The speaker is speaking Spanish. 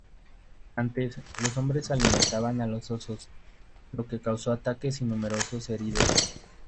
Antes, los hombres alimentaban a los osos, lo que causó ataques y numerosos heridos.